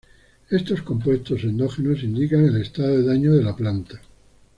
Estos compuestos endógenos indican el estado de daño de la planta.